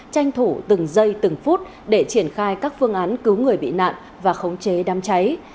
tranh thủ từng giây từng phút để triển khai các phương án cứu người bị nạn và khống chế đám cháy